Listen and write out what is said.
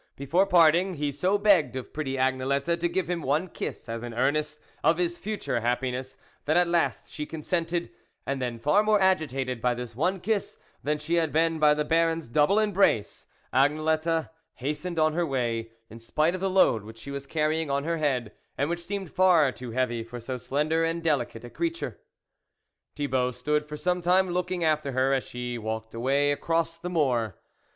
Before parting, he so begged of pretty Agnelette to give him one kiss as an earnest of his future happi ness, that at last she consented, and then, far more agitated by this one kiss than she had been by the Baron's double embrace, Agnelette hastened on her way, in spite of the load which she was carry ing on her head, and which seemed far too heavy for so slender and delicate a creature. Thibault stood for some time looking after her as she walked away across the moor.